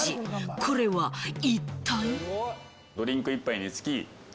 これは一体。